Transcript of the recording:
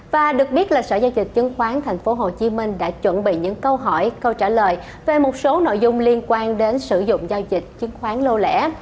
và được biết là sở giao dịch chứng khoán tp hcm đã chuẩn bị những câu hỏi câu trả lời về một số nội dung liên quan đến sử dụng giao dịch chứng khoán lô lẻ